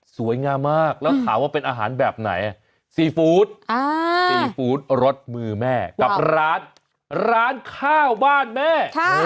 สวยงามมากแล้วถามว่าเป็นอาหารแบบไหนซีฟู้ดซีฟู้ดรสมือแม่กับร้านร้านข้าวบ้านแม่